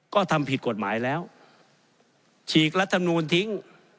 ก็ทำผิดกฎหมายแล้วฉีกรัฐมนูลทิ้ง